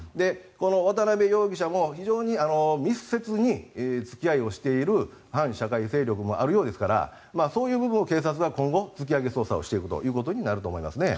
渡邉容疑者も非常に密接に付き合いをしている反社会勢力もあるようですからそういう部分を警察が今後、突き上げ捜査をしていくということになると思いますね。